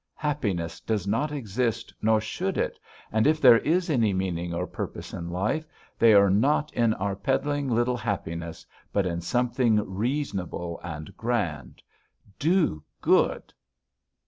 Happiness does not exist, nor should it, and if there is any meaning or purpose in life, they are not in our peddling little happiness, but in something reasonable and grand. Do good!"